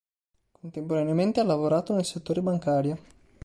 Contemporaneamente ha lavorato nel settore bancario.